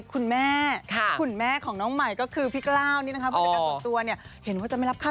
คุณแม่คุณแม่ของไม้ก็คือพี่กล้าวเนี่ยนะคะ